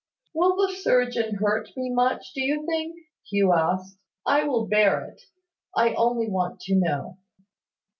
"Will the surgeon hurt me much, do you think?" Hugh asked. "I will bear it. I only want to know."